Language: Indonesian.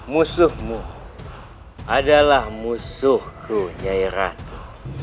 musuhmu adalah musuhku nyai ratu